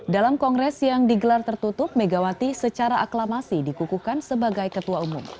dalam kongres yang digelar tertutup megawati secara aklamasi dikukuhkan sebagai ketua umum